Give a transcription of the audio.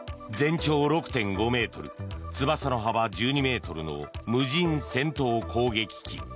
全長６．５ｍ、翼の幅１２ｍの無人戦闘攻撃機。